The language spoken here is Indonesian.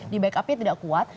di backupnya tidak kuat